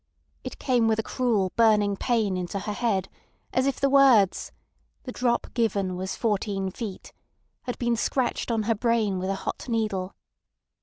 It came with a cruel burning pain into her head, as if the words "The drop given was fourteen feet" had been scratched on her brain with a hot needle.